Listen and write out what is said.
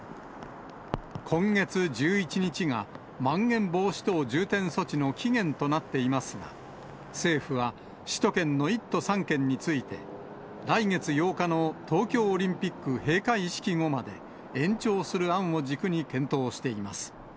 今月１１日がまん延防止等重点措置の期限となっていますが、政府は首都圏の１都３県について、来月８日の東京オリンピック閉会式後まで延長する案を軸に検討しています。